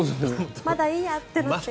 まだいいやってなって。